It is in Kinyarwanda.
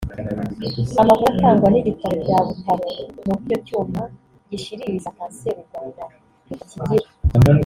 Amakuru atangwa n’ ibitaro bya Butaro ni uko icyo cyuma gishiririza kanseri u Rwanda rutakigira